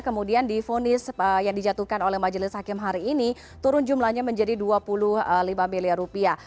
kemudian difonis yang dijatuhkan oleh majelis hakim hari ini turun jumlahnya menjadi dua puluh lima miliar rupiah